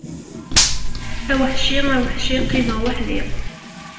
A weḥci, a weḥci, qqimeɣ weḥdi!